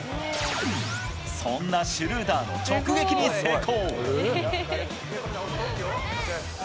そんなシュルーダーの直撃に成功。